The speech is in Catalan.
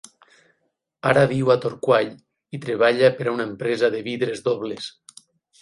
Ara viu a Torquay i treballa per a una empresa de vidres dobles.